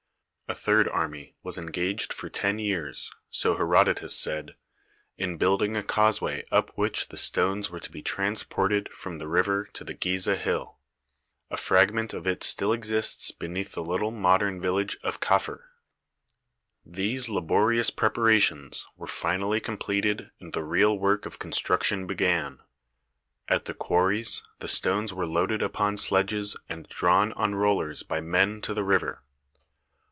A third army was engaged for ten years, so Herodotus said, in building a causeway up which the stones were to be transported from the river to the Gizeh hill. A fragment of it still exists beneath the little modern village of Kafr. These laborious preparations were finally com pleted and the real work of construction began. THE PYRAMID OF KHUFU n At the quarries the stones were loaded upon sledges and drawn on rollers by men to the river.